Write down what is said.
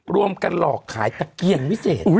รวมกันหลอกขายตะเกียงวิเศษ